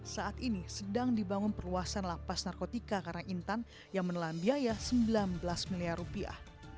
saat ini sedang dibangun perluasan lapas narkotika karena intan yang menelan biaya sembilan belas miliar rupiah